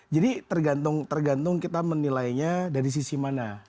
jadi tergantung kita menilainya dari sisi mana